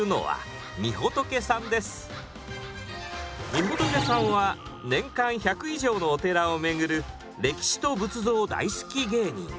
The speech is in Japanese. みほとけさんは年間１００以上のお寺を巡る歴史と仏像大好き芸人。